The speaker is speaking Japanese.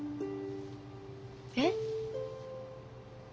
えっ？